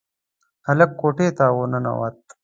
هلک کوټې ته ورننوت.